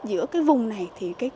giữa cái vùng này thì